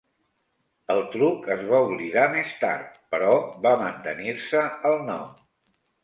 El truc es va oblidar més tard, però va mantenir-se el nom.